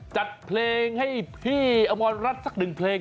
จัดเพลงให้พี่อมรรัฐสักหนึ่งเพลง